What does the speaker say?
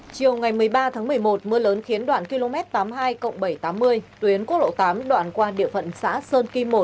chiều ngày một mươi ba tháng một mươi một mưa lớn khiến đoạn km tám mươi hai bảy trăm tám mươi tuyến quốc lộ tám đoạn qua địa phận xã sơn kim một